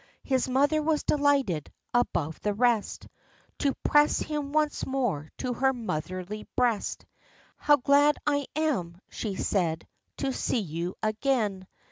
His mother was delighted, above the rest, To press him once more to her motherly breast. "How glad I am," she said, "to see you again!